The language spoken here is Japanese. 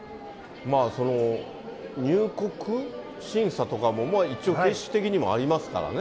入国審査とかも一応、形式的にもありますからね。